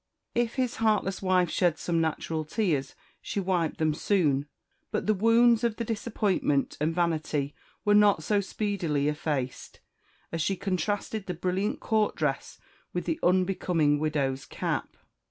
If his heartless wife shed some natural tears, she wiped them soon; but the wounds of disappointment and vanity were not so speedily effaced, as she contrasted the brilliant court dress with the unbecoming widow's cap.